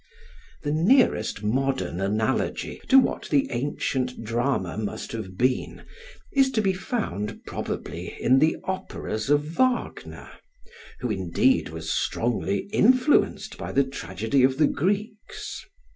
The nearest modern analogy to what the ancient drama must have been is to be found probably in the operas of Wagner, who indeed was strongly influenced by the tragedy of the Greeks.